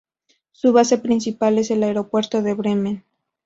Su base principal es el Aeropuerto de Bremen.